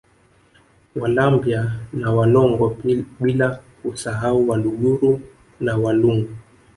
Walambya na Walongo bila kusahau Waluguru na Walungu